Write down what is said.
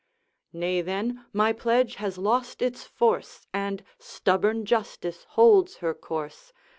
'Nay, then, my pledge has lost its force, And stubborn justice holds her course.